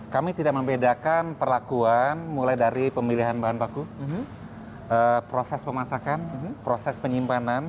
kami tidak membedakan perlakuan mulai dari pemilihan bahan baku proses pemasakan proses penyimpanan